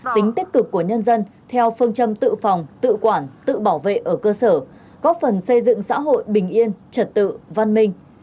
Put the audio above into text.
tính tích cực của nhân dân theo phương châm tự phòng tự quản tự bảo vệ ở cơ sở góp phần xây dựng xã hội bình yên trật tự văn minh